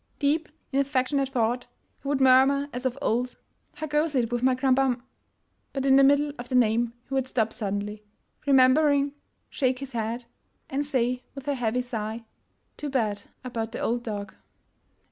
Deep in affec tionate thought, he would murmur as of old, '' How goes it with my Krambam — .'' But in the middle of the name he would stop suddenly, remembering, shake his head, and say with a heavy sigh — " Too bad about the old dog!